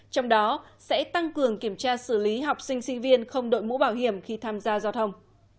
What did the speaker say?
trong đó sẽ tăng cường kiểm tra xử lý học sinh sinh viên không đội mũ bảo hiểm khi tham gia giao thông